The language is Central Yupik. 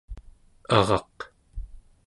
araq